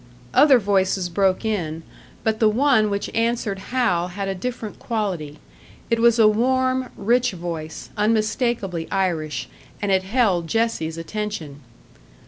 Other voices broke in; but the one which answered Hal had a different quality; it was a warm, rich voice, unmistakably Irish, and it held Jessie's attention.